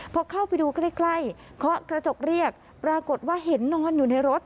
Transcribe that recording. พอเข้าไปดูใกล้เคาะกระจกเรียกปรากฏว่าเห็นนอนอยู่ในรถ